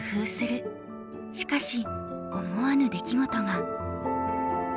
しかし思わぬ出来事が。